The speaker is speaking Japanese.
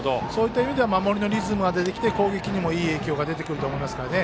守りのリズムが出てきて攻撃にもいい影響が出てくると思いますからね。